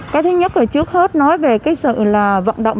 cái thứ nhất là trước hết nói về cái sự là vận động